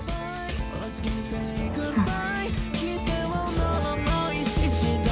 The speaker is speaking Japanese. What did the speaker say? うん。